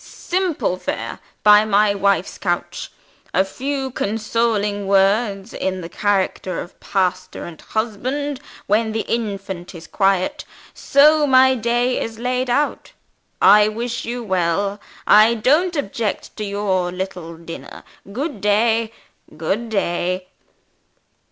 Simple fare, by my wife's couch; a few consoling words, in the character of pastor and husband, when the infant is quiet. So my day is laid out. I wish you well. I don't object to your little dinner. Good day! good day!"